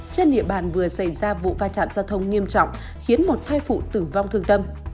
trên địa bàn vừa xảy ra vụ va chạm giao thông nghiêm trọng khiến một thai phụ tử vong thương tâm